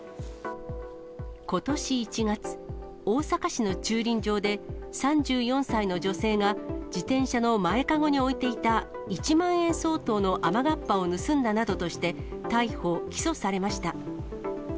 ことし１月、大阪市の駐輪場で、３４歳の女性が自転車の前籠に置いていた１万円相当の雨がっぱを盗んだなどとして、逮捕・起訴されました。